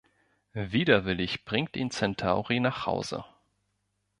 Widerwillig bringt ihn Centauri nach Hause.